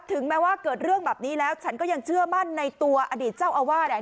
ถึงแม้ว่าเกิดเรื่องแบบนี้แล้วฉันก็ยังเชื่อมั่นในตัวอดีตเจ้าอาวาสเนี่ย